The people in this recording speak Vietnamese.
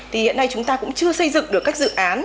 thì hiện nay chúng ta cũng chưa xây dựng được các dự án